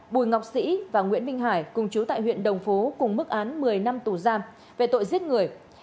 bùi ngọc sĩ và nguyễn minh hải cùng chú tại huyện đồng phú cùng mức án một mươi năm tù giam về tội giết người